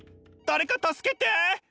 誰か助けて！